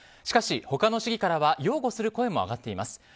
しかし、他の市議からは擁護する声も上がっています。